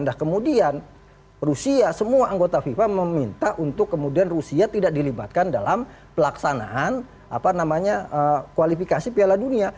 nah kemudian rusia semua anggota fifa meminta untuk kemudian rusia tidak dilibatkan dalam pelaksanaan kualifikasi piala dunia